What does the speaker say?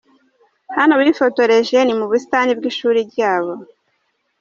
Hano bifotoreje ni mu buzitani bw'ishuri ryabo.